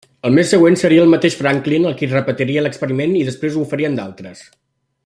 El mes següent seria el mateix Franklin qui repetiria l'experiment i després ho farien d'altres.